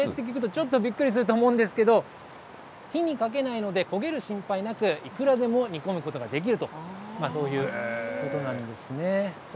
ちょっとびっくりすると思うんですけれども、火にかけないので焦げる心配なく、いくらでも煮込むことができると、そういうことなんですね。